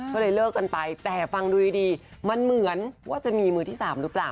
ก็เลยเลิกกันไปแต่ฟังดูดีมันเหมือนว่าจะมีมือที่๓หรือเปล่า